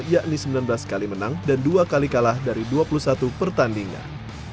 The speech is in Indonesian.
yakni sembilan belas kali menang dan dua kali kalah dari dua puluh satu pertandingan